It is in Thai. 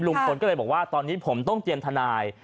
ลุงพลก็เลยบอกว่าตอนนี้ผมต้องเตรียมทนาย